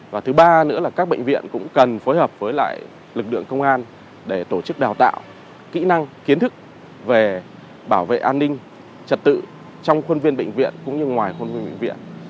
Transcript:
và thứ ba nữa là các bệnh viện cũng cần phối hợp với lại lực lượng công an để tổ chức đào tạo kỹ năng kiến thức về bảo vệ an ninh trật tự trong khuôn viên bệnh viện cũng như ngoài khuôn viên bệnh viện